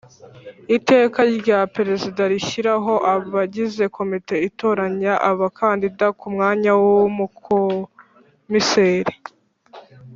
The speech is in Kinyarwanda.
Iteka rya Perezida rishyiraho abagize komite itoranya abakandida ku mwanya w Ubukomiseri